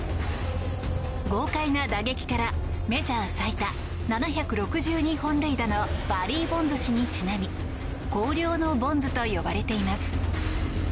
豪快な打撃からメジャー最多７６２本塁打のバリー・ボンズ氏にちなみ広陵のボンズと呼ばれています。